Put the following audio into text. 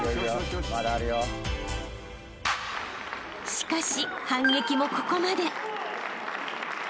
［しかし反撃もここまで］